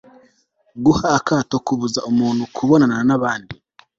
guha akato kubuza umuntu kubonana n'abandi